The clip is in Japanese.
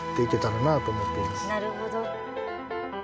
なるほど。